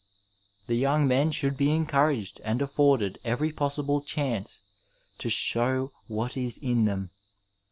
The young men should be encouraged and afforded every possible chance to show what is in them.